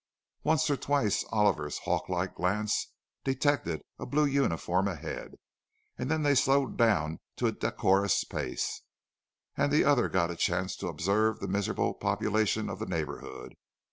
Once or twice Oliver's hawk like glance detected a blue uniform ahead, and then they slowed down to a decorous pace, and the other got a chance to observe the miserable population of the neighbourhood.